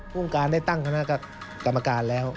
ภูมิการได้ตั้งคณะกรรมการแล้ว